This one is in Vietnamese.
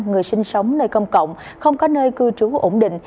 người sinh sống nơi công cộng không có nơi cư trú ổn định